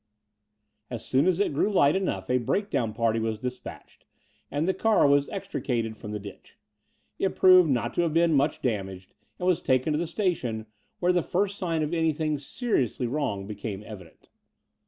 As soon as it grew light enough a breakdown party was dispatched, and the car was extricated from the ditch. It proved not to have been much damaged and was taken to the station, where the first sign of anything seriously wrong became evident.